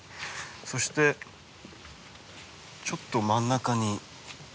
そしてちょっと真ん中に。